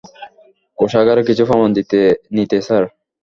কোষাগারে কিছু প্রমাণ নিতে, স্যার।